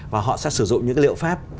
và họ sẽ sử dụng những cái liệu pháp